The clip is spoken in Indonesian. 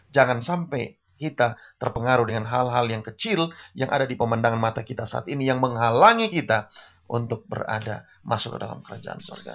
jangan sampai kita terpengaruh dengan hal hal yang kecil yang ada di pemandangan mata kita saat ini yang menghalangi kita untuk berada masuk ke dalam kerajaan sorga